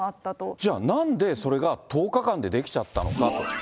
じゃあなんで、それが１０日間でできちゃったのかと。